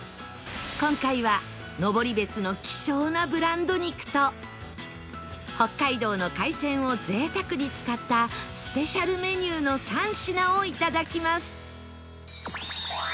今回は登別の希少なブランド肉と北海道の海鮮を贅沢に使ったスペシャルメニューの３品をいただきます